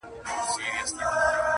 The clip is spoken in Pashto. ما یې لیدی پر یوه لوړه څانګه.!